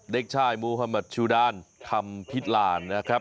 เด็กชายมุธมัติชูดารคำพิจราณ